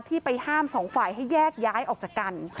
ไปห้ามสองฝ่ายให้แยกย้ายออกจากกัน